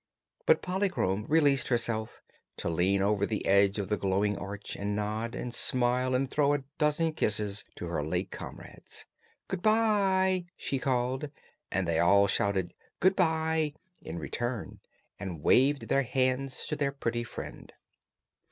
But Polychrome released herself to lean over the edge of the glowing arch and nod, and smile and throw a dozen kisses to her late comrades. "Good bye!" she called, and they all shouted "Good bye!" in return and waved their hands to their pretty friend.